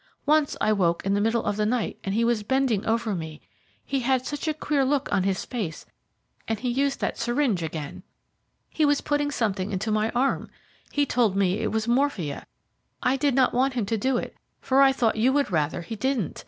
Once I woke in the middle of the night and he was bending over me he had such a queer look on his face, and he used that syringe again. He was putting something into my arm he told me it was morphia. I did not want him to do it, for I thought you would rather he didn't.